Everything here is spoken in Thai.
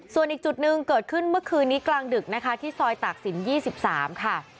ส่วนอีกจุดหนึ่งเกิดขึ้นเมื่อคืนนี้กลางดึกนะคะที่ซอยตากศิลป๒๓ค่ะ